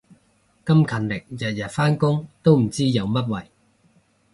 咁勤力日日返工都唔知有乜謂